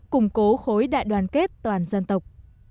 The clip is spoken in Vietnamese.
củng cố khối đại đoàn kết toàn dân tộc